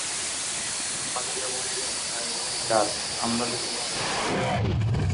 বালিকা বলিল, আয় ভাই তাত, আমরা দুজনে এ রক্ত মুছে ফেলি।